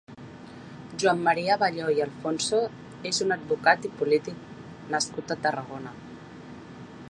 Joan Maria Abelló i Alfonso és un advocat i polític nascut a Tarragona.